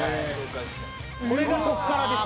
「これが特辛です」